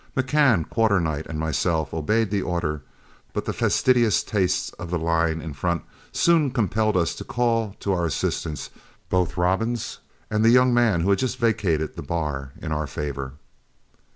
McCann, Quarternight, and myself obeyed the order, but the fastidious tastes of the line in front soon compelled us to call to our assistance both Robbins and the young man who had just vacated the bar in our favor.